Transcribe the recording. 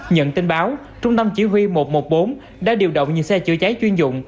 nhận tin báo trung tâm chỉ huy một trăm một mươi bốn đã điều động những xe chữa cháy chuyên dụng